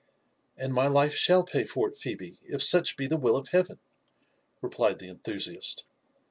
" And my life shall pay for it, Phebe , if such be the will of Heaven ," replied the enthusiast.